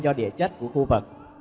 do địa chất của khu vực